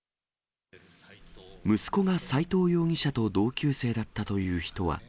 息子が斎藤容疑者と同級生だったという人は。